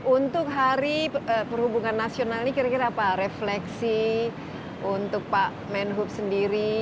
untuk hari perhubungan nasional ini kira kira apa refleksi untuk pak menhub sendiri